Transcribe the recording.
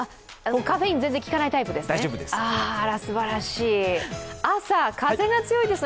カフェイン全然きかないタイプですね。